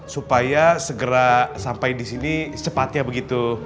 supaya segera sampai di sini secepatnya begitu